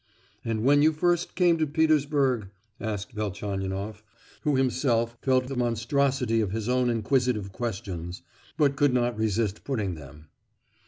"And when you first came to Petersburg?" asked Velchaninoff, who himself felt the monstrosity of his own inquisitive questions, but could not resist putting them.